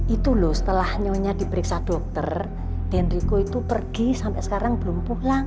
itu loh setelah nyonya diperiksa dokter denrico itu pergi sampai sekarang belum pulang